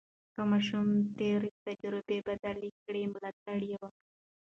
که ماشوم تېره تجربه بدله کړه، ملاتړ یې وکړئ.